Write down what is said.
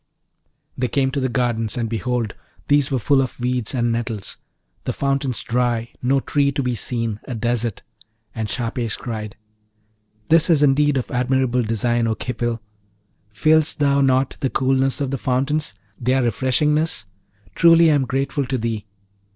They came to the gardens, and behold, these were full of weeds and nettles, the fountains dry, no tree to be seen a desert. And Shahpesh cried, 'This is indeed of admirable design, O Khipil! Feelest thou not the coolness of the fountains? their refreshingness? Truly I am grateful to thee!